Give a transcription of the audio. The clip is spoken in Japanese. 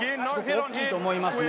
大きいと思いますね。